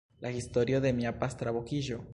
La historio de mia pastra vokiĝo?